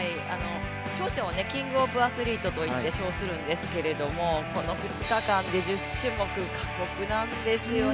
勝者をキングオブアスリートといって称するんですがこの２日間で１０種目、過酷なんですよね。